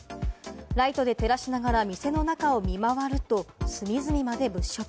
ライトで照らしながら店の中を見回ると、隅々まで物色。